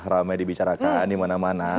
ramai dibicarakan di mana mana